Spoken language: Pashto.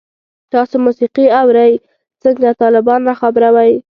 تاسو موسیقی اورئ؟ څنګه، طالبان را خبروئ